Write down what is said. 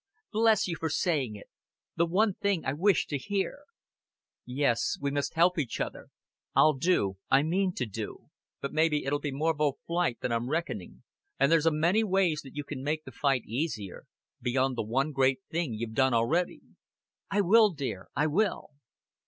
"Bless you for saying it. The one thing I wished to hear." "Yes, we must help each other. I'll do I mean to do. But, maybe, it'll be more 'v o' fight than I'm reckoning, and there's a many ways that you can make the fight easier beyond the one great thing you've done a'ready." "I will, dear. I will."